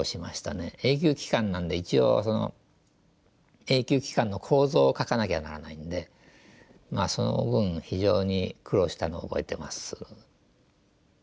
永久機関なんで一応永久機関の構造を描かなきゃならないんでその分非常に苦労したのを覚えてます。